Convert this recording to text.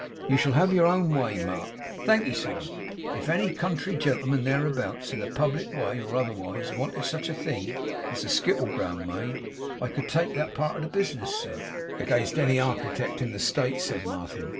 'You shall have your own way, Mark.' 'Thank'ee, sir. If any country gentleman thereabouts, in the public way, or otherwise, wanted such a thing as a skittle ground made, I could take that part of the bis'ness, sir.' 'Against any architect in the States,' said Martin.